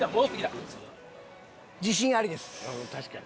確かに。